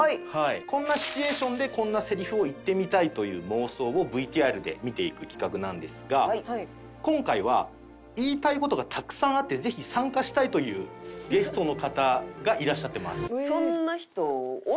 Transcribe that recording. こんなシチュエーションでこんなセリフを言ってみたいという妄想をＶＴＲで見ていく企画なんですが今回は言いたい事がたくさんあってぜひ参加したいというゲストの方がいらっしゃってます。